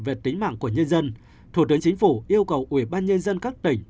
về tính mạng của nhân dân thủ tướng chính phủ yêu cầu ủy ban nhân dân các tỉnh